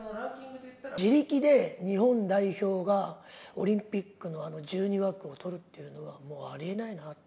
自力で日本代表がオリンピックの１２枠を取るっていうのは、もうありえないなって。